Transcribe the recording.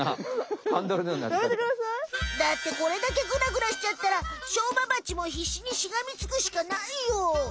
だってこれだけグラグラしちゃったらしょうまバチもひっしにしがみつくしかないよ。